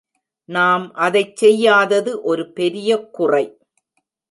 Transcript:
நாம் அதைச் செய்யாதது ஒரு பெரிய குறை.